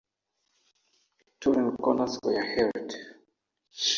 Two Linucons were held.